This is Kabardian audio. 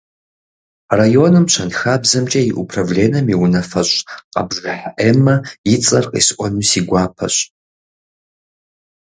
Районым щэнхабзэмкӀэ и управленэм и унафэщӀ Къэбжыхь Эммэ и цӀэр къисӀуэну си гуапэщ.